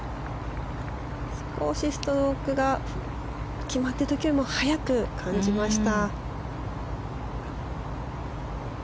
少しストロークが決まっている時よりも速く感じました。